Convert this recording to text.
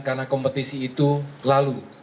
karena kompetisi itu lalu